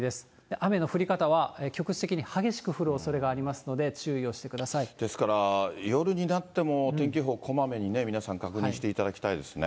雨の降り方は局地的に激しく降るおそれがありますので、注意をしですから、夜になっても天気予報、こまめに皆さん、確認していただきたいですね。